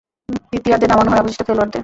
দ্বিতীয়ার্ধে নামানো হয় অবশিষ্ট খেলোয়াড়দের।